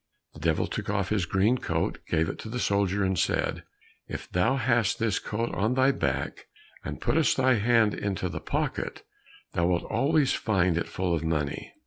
The Devil took off his green coat, gave it to the soldier, and said, "If thou hast this coat on thy back and puttest thy hand into the pocket, thou wilt always find it full of money."